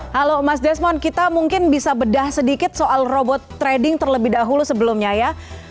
halo mas desmond kita mungkin bisa bedah sedikit soal robot trading terlebih dahulu sebelumnya ya